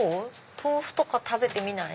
豆腐とか食べてみない？